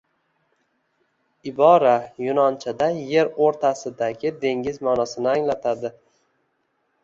Ibora yunonchada er oʻrtasidagi dengiz maʼnosini anglatadi